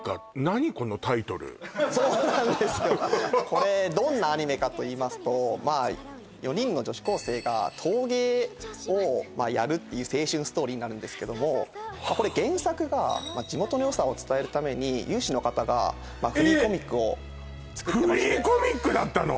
これどんなアニメかといいますと４人の女子高生が陶芸をやるっていう青春ストーリーになるんですけどもこれ原作が地元の良さを伝えるために有志の方がフリーコミックを作ってましてフリーコミックだったの？